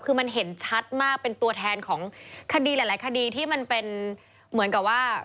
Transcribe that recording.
คือมันเห็นชัดมากเป็นตัวแทนของคดีหลายคดีที่มันเป็นเหมือนกับว่า